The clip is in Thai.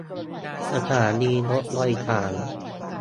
สถานีรถโดยสาร